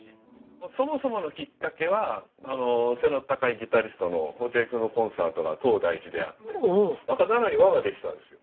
そもそものきっかけは背の高いギタリストの布袋くんのコンサートが東大寺であってなんか奈良に輪ができたんです。